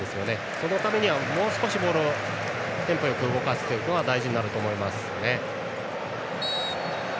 そのためにはもう少しボールをテンポよく動かすことが大事になると思います。